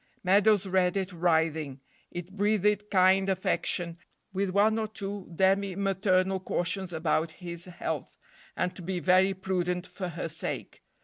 Meadows read it writhing. It breathed kind affection, with one or two demi maternal cautions about his health, and to be very prudent for her sake.